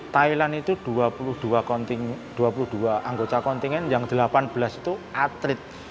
thailand itu dua puluh dua anggota kontingen yang delapan belas itu atlet